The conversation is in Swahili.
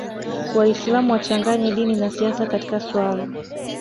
Waislam wachanganye dini na siasa katika suala